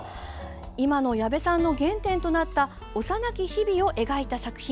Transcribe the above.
今の矢部さんの原点となった幼き日々を描いた作品。